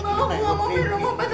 aku gak mau minum obat